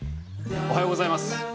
おはようございます。